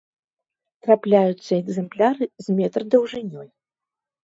Трапляюцца экземпляры з метр даўжынёй.